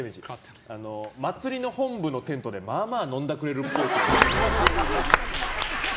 祭りの本部のテントでまあまあ飲んだくれるっぽい。